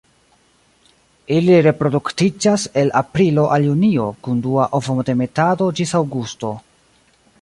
Ili reproduktiĝas el aprilo al junio, kun dua ovodemetado ĝis aŭgusto.